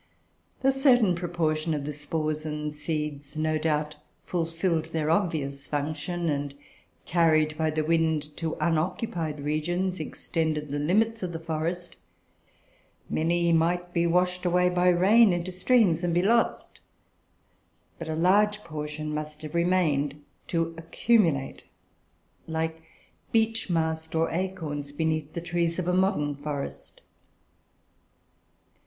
A certain proportion of the spores and seeds no doubt fulfilled their obvious function, and, carried by the wind to unoccupied regions, extended the limits of the forest; many might be washed away by rain into streams, and be lost; but a large portion must have remained, to accumulate like beech mast, or acorns, beneath the trees of a modern forest.